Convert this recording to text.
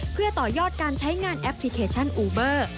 เพื่อต่อยอดการใช้งานแอปพลิเคชันอูเบอร์